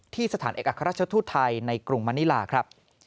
สถานเอกอัครราชทูตไทยในกรุงมณิลาครับ